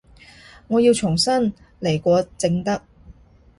我要重新來過正得